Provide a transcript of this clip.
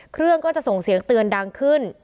เครื่องก็จะส่งเสียงเตือนดังขึ้น